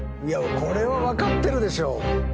これは分かってるでしょ。